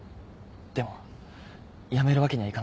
でもやめるわけにはいかないんだ。